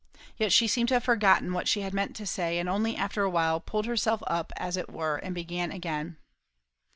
Yet she seemed to have forgotten what she had meant to say, and only after a while pulled herself up, as it were, and began again.